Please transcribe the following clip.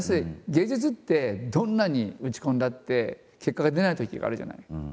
芸術ってどんなに打ち込んだって結果が出ないときがあるじゃない。